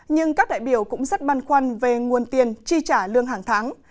nhưng các đại biểu cũng rất băn khoăn về nguồn tiền chi trả lương hàng tháng